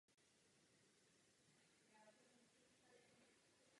Jejich pomocí můžeme počítače ovládat.